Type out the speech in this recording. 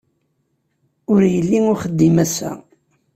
Ur yelli uxeddim ass-a